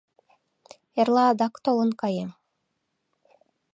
Эрла адак толын каем.